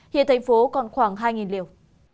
hiện tp hcm còn khoảng hai liều